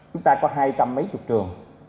chúng ta có hai trăm mấy chục trường